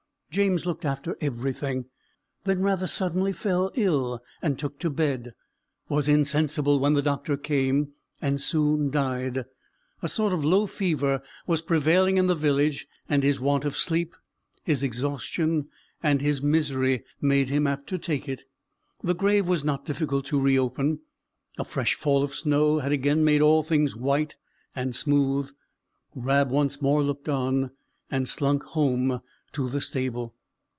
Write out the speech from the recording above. James looked after everything; then rather suddenly fell ill, and took to bed; was insensible when the doctor came, and soon died. A sort of low fever was prevailing in the village, and his want of sleep, his exhaustion, and his misery, made him apt to take it. The grave was not difficult to reopen. A fresh fall of snow had again made all things white and smooth; Rab once more looked on, and slunk home to the stable.